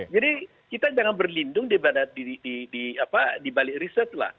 jadi kita jangan berlindung dibalik riset